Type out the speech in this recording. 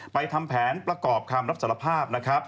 ไปทำแผนประกอบคำรับสารภาพ